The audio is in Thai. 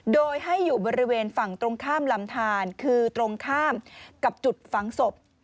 โดยให้อยู่บริเวณฝั่งตรงข้ามลำทานคือตรงข้ามกับจุดฝังศพ